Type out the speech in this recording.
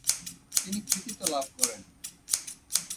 তিনি কৃতিত্ব লাভ করেন।